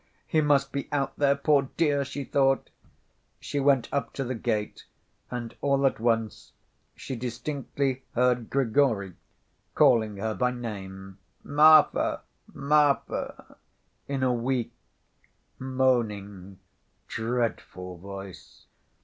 "He must be out there, poor dear," she thought. She went up to the gate and all at once she distinctly heard Grigory calling her by name, "Marfa! Marfa!" in a weak, moaning, dreadful voice.